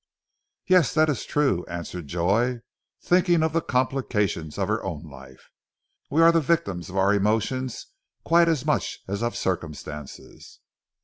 "Yes, that is true," answered Joy, thinking of the complications of her own life. "We are the victims of our emotions quite as much as of circumstances."